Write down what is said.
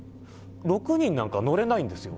６人なんか乗れないんですよ。